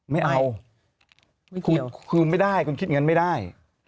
ไม่เอาคุณคิดอย่างนั้นไม่ได้